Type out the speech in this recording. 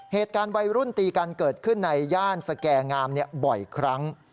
เหตุการณ์วัยรุ่นตีกันเกิดขึ้นในย่านสแก่งามบ่อยครั้ง